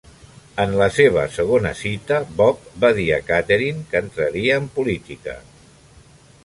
En la seva segona cita, Bob va dir a Catherine que entraria en política.